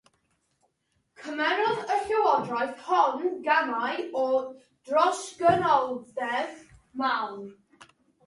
Cymerodd y llywodraeth hon gamau o drosgynoldeb mawr.